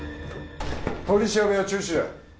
取り調べは中止だ。